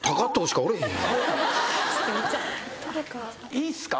いいっすか？